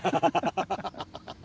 ハハハハ。